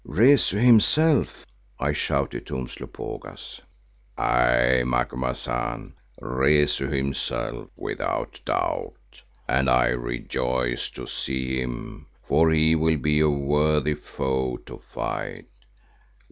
"Rezu himself!" I shouted to Umslopogaas. "Aye, Macumazahn, Rezu himself without doubt, and I rejoice to see him for he will be a worthy foe to fight.